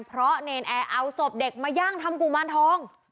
เพราะเนรนแอร์เอาศพเด็กมาย่างทำกุมารทอง